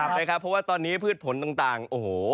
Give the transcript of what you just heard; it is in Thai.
เพราะว่าตอนนี้พืชผลต่างโอ้โห